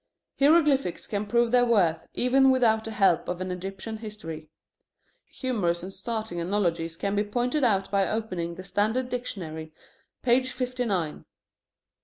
Hieroglyphics can prove their worth, even without the help of an Egyptian history. Humorous and startling analogies can be pointed out by opening the Standard Dictionary, page fifty nine.